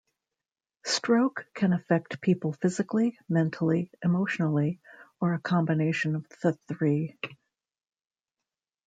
Stroke can affect people physically, mentally, emotionally, or a combination of the three.